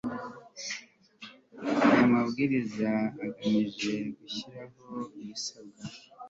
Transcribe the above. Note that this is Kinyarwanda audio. Aya mabwiriza agamije gushyiraho ibisabwa